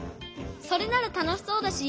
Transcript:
それならたのしそうだし